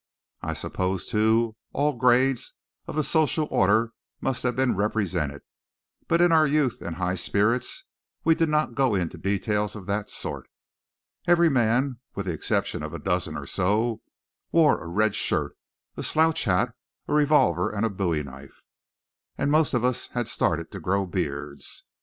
I suppose, too, all grades of the social order must have been represented; but in our youth and high spirits we did not go into details of that sort. Every man, with the exception of a dozen or so, wore a red shirt, a slouch hat, a revolver and a bowie knife; and most of us had started to grow beards.